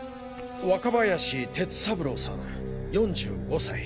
若林哲三郎さん４５歳。